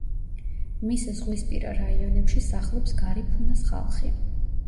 მის ზღვისპირა რაიონებში სახლობს გარიფუნას ხალხი.